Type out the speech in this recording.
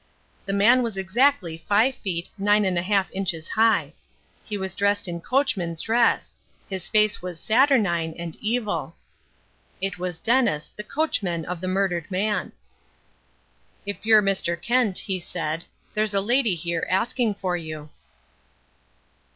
The man was exactly five feet nine and a half inches high. He was dressed in coachman's dress. His face was saturnine and evil. It was Dennis, the coachman of the murdered man. "If you're Mr. Kent," he said, "there's a lady here asking for you."